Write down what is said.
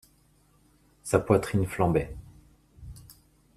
Sa poitrine flambait.